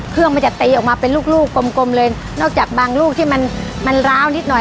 เครื่องมันจะตีออกมาเป็นลูกลูกกลมกลมเลยนอกจากบางลูกที่มันมันร้าวนิดหน่อย